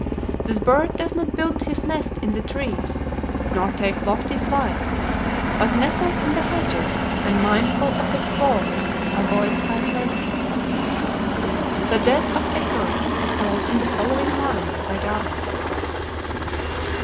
This bird does not build his nest in the trees, nor take lofty flights, but nestles in the hedges, and mindful of his fall, avoids high places. The death of Icarus is told in the following lines by Darwin